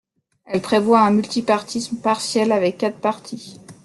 Elle prévoit un multipartisme partiel avec quatre partis.